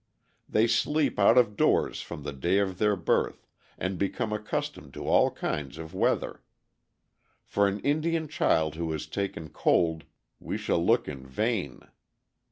They sleep out of doors from the day of their birth, and become accustomed to all kinds of weather. For an Indian child who has taken cold we shall look in vain.